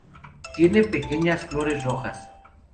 Tiene pequeñas flores rojas.